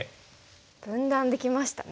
分断できましたね。